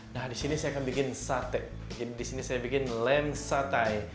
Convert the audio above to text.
nah disini saya akan bikin sate jadi disini saya bikin lamb satay